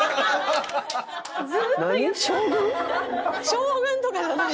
将軍とかじゃない。